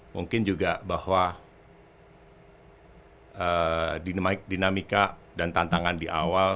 mungkin juga bahwa dinamika dan tantangan di awal